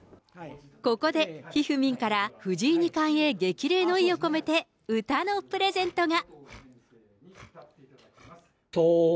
ここで、ひふみんから、藤井二冠へ激励の意を込めて歌のプレゼントが。